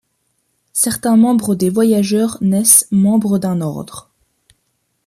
Certains membres des Voyageurs naissent membre d'un ordre.